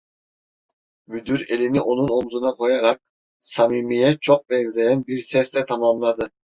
Müdür elini onun omzuna koyarak, samimiye çok benzeyen bir sesle tamamladı: